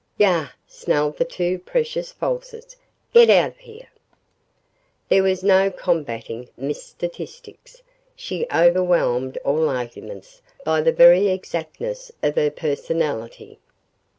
"Ya!" snarled the two precious falsers, "get out o' here!" There was no combating Miss Statistix. She overwhelmed all arguments by the very exactness of her personality.